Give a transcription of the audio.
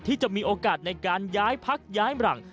ที่จะมีโอกาสในการย้ายพักย้ายหลัง